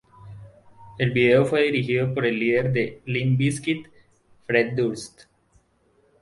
El video fue dirigido por líder de Limp Bizkit, Fred Durst.